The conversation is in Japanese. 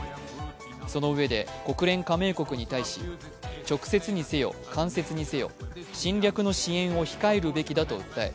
そのうえで国連加盟国に対し、直接にせよ間接にせよ、侵略の支援を控えるべきだと訴え